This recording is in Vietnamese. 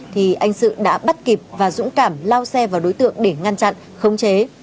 thì anh sự đã bắt kịp và dũng cảm lao xe vào đối tượng để ngăn chặn khống chế